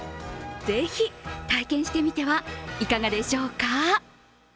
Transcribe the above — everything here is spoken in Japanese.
ぜひ、体験してみてはいかがでしょうか？